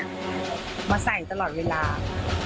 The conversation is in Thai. มันเป็นอาหารของพระราชา